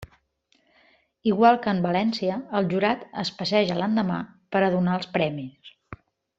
Igual que en València, el jurat es passeja l'endemà per a donar els premis.